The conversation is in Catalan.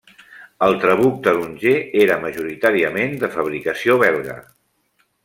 El Trabuc Taronger era majoritàriament de fabricació belga.